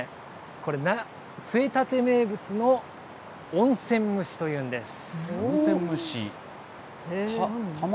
これ、杖立名物の温泉蒸しというんです。